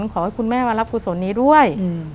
ขอให้คุณแม่มารับกุศลนี้ด้วย